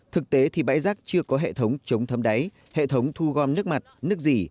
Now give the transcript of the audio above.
thực tế thì bãi rác chưa có hệ thống chống thấm đáy hệ thống thu gom nước mặt nước dỉ